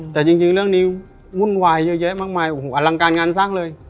แต่จริงเรื่องนี้วุ่นวายเยอะแยะมากมายโอ้โหอลังการงานสร้างเลย